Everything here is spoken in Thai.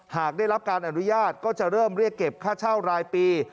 หากได้รับการอนุญาตก็จะเริ่มเรียกเก็บค่าเช่ารายปี